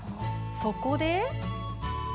そこで。